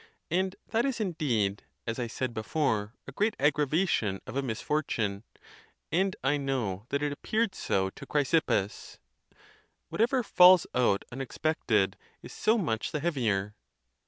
And that is indeed, as I said before, a great aggravation of a misfortune; and I know that it appeared so to Chrysippus—" Whatever falls out unexpected is so much the heavier."